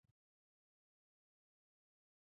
所有被告均面临上述三项罪名。